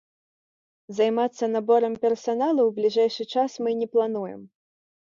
Займацца наборам персаналу ў бліжэйшы час мы не плануем.